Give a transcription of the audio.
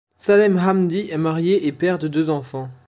Salem Hamdi est marié et père de deux enfants.